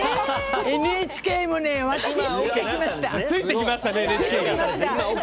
ＮＨＫもね、私についてきました。